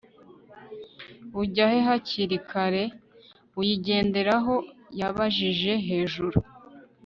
ujya he hakiri kare? uyigenderaho yabajije hejuru